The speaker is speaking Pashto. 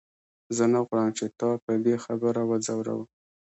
زه نه غواړم چې تا په دې خبره وځوروم.